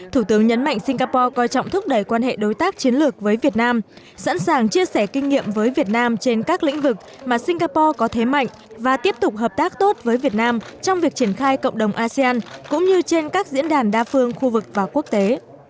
thủ tướng nhấn mạnh singapore coi trọng thúc đẩy quan hệ đối tác chiến lược với việt nam sẵn sàng chia sẻ kinh nghiệm với việt nam trên các lĩnh vực mà singapore có thế mạnh và tiếp tục hợp tác tốt với việt nam trong việc triển khai cộng đồng asean cũng như trên các diễn đàn đa phương khu vực và quốc tế